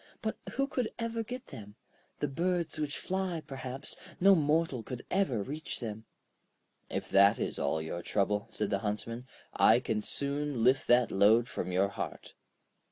But who could ever get them? The birds which fly, perhaps; no mortal could ever reach them.' 'If that is all your trouble,' said the Huntsman, 'I can soon lift that load from your heart.'